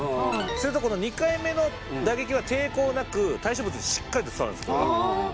すると２回目の打撃は抵抗なく対象物にしっかりと伝わるんですこれで。